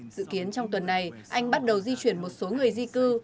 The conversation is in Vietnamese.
dự kiến trong tuần này anh bắt đầu di chuyển một số người di cư